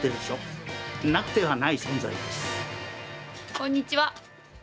こんにちは。